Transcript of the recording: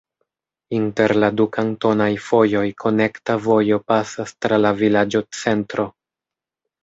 Inter la du kantonaj fojoj konekta vojo pasas tra la vilaĝocentro.